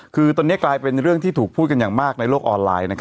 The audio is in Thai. คือตอนนี้กลายเป็นเรื่องที่ถูกพูดกันอย่างมากในโลกออนไลน์